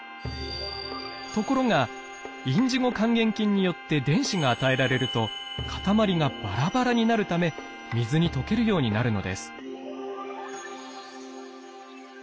ところがインジゴ還元菌によって電子が与えられるとかたまりがバラバラになるため水に溶けるようになるのです。